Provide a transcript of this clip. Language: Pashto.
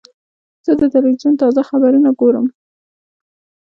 زه د تلویزیون تازه خبرونه ګورم.